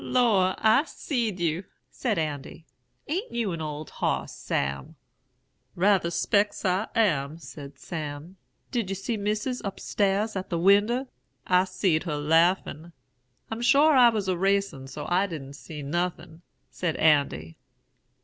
"'Lor', I seed you,' said Andy. 'A'n't you an old hoss, Sam?' "'Rather 'specs I am,' said Sam. 'Did you see Missus up stars at the winder? I seed her laughin'.' "'I'm sure I was racin' so I didn't see nothin,' said Andy.